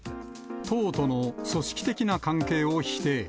党との組織的な関係を否定。